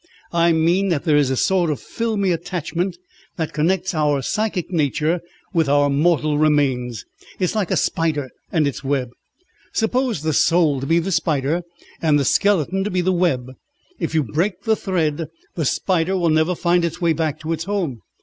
"I mean that there is a sort of filmy attachment that connects our psychic nature with our mortal remains. It is like a spider and its web. Suppose the soul to be the spider and the skeleton to be the web. If you break the thread the spider will never find its way back to its home.